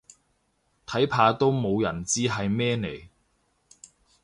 睇怕都冇人知係咩嚟